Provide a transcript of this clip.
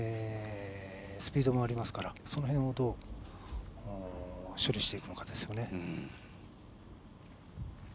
スピードもありますからその辺をどう処理していくか。